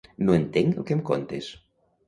No entenc el que em contes.